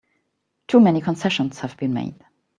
Too many concessions have been made!